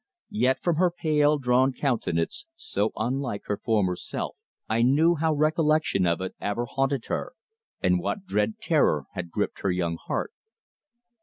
Yet, from her pale, drawn countenance so unlike her former self I knew how recollection of it ever haunted her, and what dread terror had gripped her young heart.